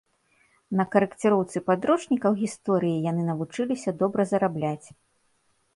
На карэкціроўцы падручнікаў гісторыі яны навучыліся добра зарабляць.